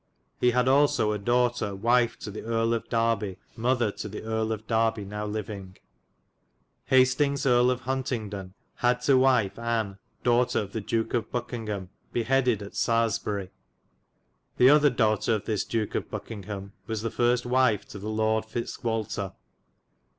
He had also a dowghtar wyfe to the Erie of Darby mothar to the Erie of Darby now lyvynge. Hastyngs Erie of Huntendune had to wife Anne dowghtar to the Duke of Buckyngham, behedyd at Saresbyri. The othar dowghtar of this Duke of Buckyngham was the first wyfe to the Lord Fitzgwalter.